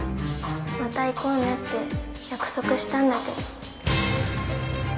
また行こうねって約束したんだけど